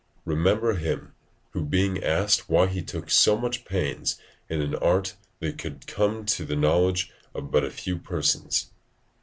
Remember him, who being asked why he took so much pains in an art that could come to the knowledge of but few persons?